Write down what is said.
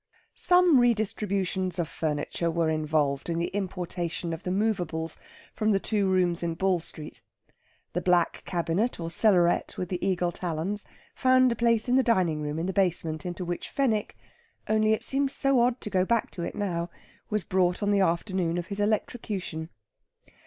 Some redistributions of furniture were involved in the importation of the movables from the two rooms in Ball Street. The black cabinet, or cellaret, with the eagle talons, found a place in the dining room in the basement into which Fenwick only it seems so odd to go back to it now was brought on the afternoon of his electrocution.